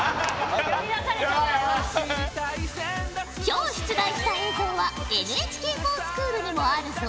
今日出題した映像はＮＨＫｆｏｒｓｃｈｏｏｌにもあるぞ。